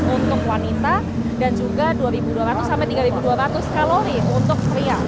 untuk wanita dan juga dua dua ratus sampai tiga dua ratus kalori untuk pria